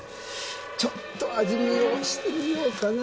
ちょっと味見をしてみようかな。